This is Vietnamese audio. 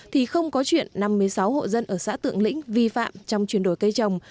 thì không có chuyện năm mươi sáu hộ dân ở xã tượng lĩnh vi phạm trong chuyển đổi cây trồng